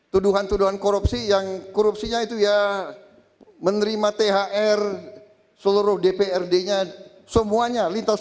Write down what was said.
tuduhan tuduhan korupsi yang korupsinya itu ya menerima thr seluruh dprd nya semuanya lintas